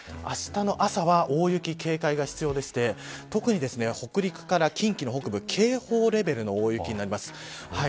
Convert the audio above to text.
あしたの朝は大雪に警戒が必要で特に北陸から近畿の北部警報レベルの大雪になります。